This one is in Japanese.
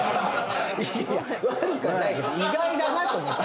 いや悪くはないけど意外だなと思って。